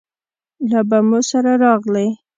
له بمو سره راغلې